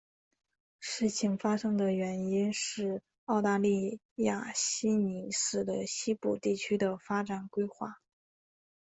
事件发生的原因是澳大利亚悉尼市的西部地区的发展规划。